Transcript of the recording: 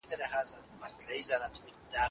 د خوب دعا ولولئ.